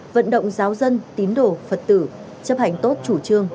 vận động giáo dân tín đổ phật tử chấp hành tốt chủ trương